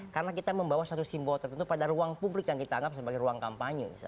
karena kita membawa satu simbol tertentu pada ruang publik yang kita anggap sebagai ruang kampanye